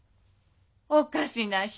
おかしな人。